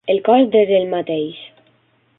El cost és el mateix.